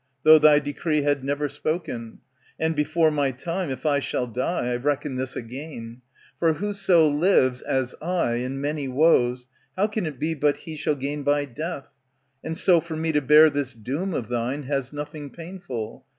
though thy decree * Had never spoken. And, before my time If I shall die, I reckon this a gain ; For whoso lives, as I, in many woes. How can it be but he shall gain by death ? And so for me to bear this doom of thine Has nothing painful.